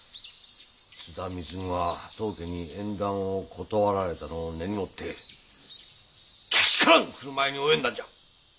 津田貢は当家に縁談を断られたのを根に持ってけしからん振る舞いに及んだんじゃ！